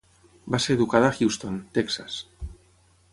Va ser educada a Houston, Texas.